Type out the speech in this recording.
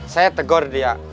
saya tegur dia